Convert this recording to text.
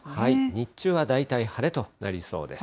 日中は大体晴れとなりそうです。